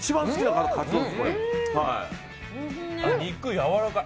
やわらかい！